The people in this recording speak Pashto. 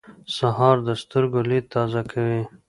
سهار د سترګو لید تازه کوي.